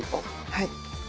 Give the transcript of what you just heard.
はい。